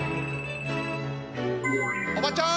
おばちゃん！